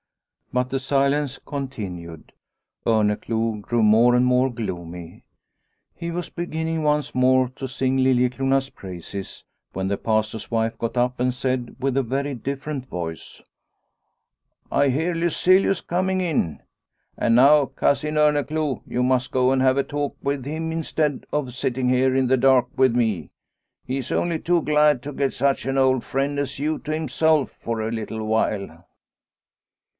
But the silence continued. Orneclou grew more and more gloomy. He was beginning once more to sing Liliecrona's praises when the Pastor's wife got up and said with a very different voice : "I hear Lyselius coming in. And now, Cousin Orneclou, you must go and 184 Liliecrona's Home have a talk with him instead of sitting here in the dark with me. He is only too glad to get such an old friend as you to himself for a little while."